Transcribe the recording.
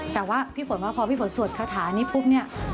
แต่ว่าพี่ฝนว่าพอพี่ฝนสวดคาถานี้ปุ๊บเนี่ย